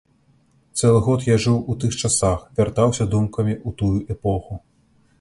Цэлы год я жыў у тых часах, вяртаўся думкамі ў тую эпоху.